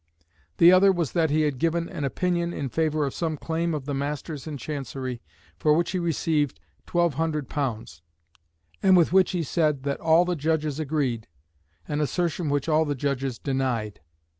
The other was that he had given an opinion in favour of some claim of the Masters in Chancery for which he received £1200, and with which he said that all the judges agreed an assertion which all the judges denied.